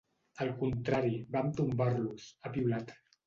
Al contrari, vam tombar-los, ha piulat.